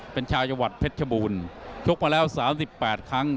เป็นชาวจังหวัดเพชรชบูรณ์ชกมาแล้ว๓๘ครั้ง